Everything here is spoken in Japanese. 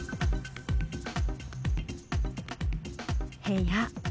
部屋。